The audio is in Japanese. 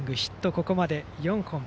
ここまで４本。